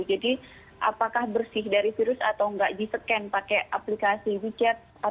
jadi apakah bersih dari virus atau nggak di scan pakai aplikasi wechat